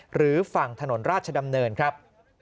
หรือฝั่งถนนราชดำเนินครับ